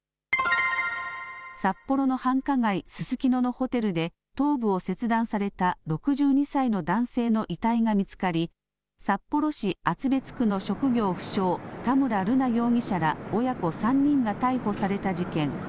札幌の繁華街、ススキノのホテルで頭部を切断された６２歳の男性の遺体が見つかり札幌市厚別区の職業不詳、田村瑠奈容疑者ら親子３人が逮捕された事件。